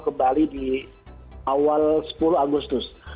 kembali di awal sepuluh agustus